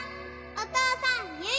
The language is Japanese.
お父さん！